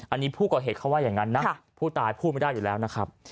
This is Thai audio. อันนี้ผู้ก่อเหตุเขาว่าอย่างนั้นนะผู้ตายพูดไม่ได้อยู่แล้วนะครับ